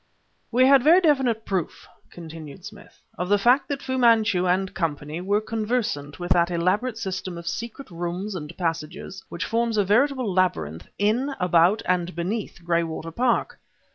"We had very definite proof," continued Smith, "of the fact that Fu Manchu and company were conversant with that elaborate system of secret rooms and passages which forms a veritable labyrinth, in, about, and beneath Graywater Park.